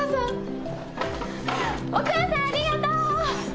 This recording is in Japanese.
お母さんありがとう！